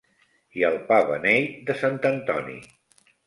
I el Pa Beneït de sant Antoni.